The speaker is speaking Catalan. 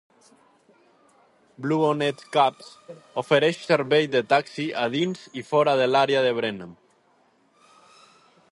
Bluebonnet Cabs ofereix servei de taxi a dins i fora de l'àrea de Brenham.